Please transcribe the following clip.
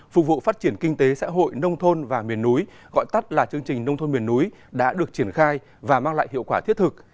phục vụ phát triển kinh tế xã hội nông thôn và miền núi gọi tắt là chương trình nông thôn miền núi đã được triển khai và mang lại hiệu quả thiết thực